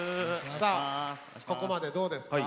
さあここまでどうですか？